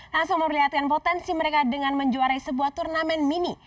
langsung memperlihatkan potensi mereka dengan menjuarai sebuah turnamen mini